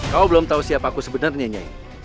kau belum tahu siapa aku sebenarnya nyai